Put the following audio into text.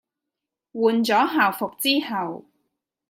換咗校服之後